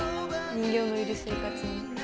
人形のいる生活に。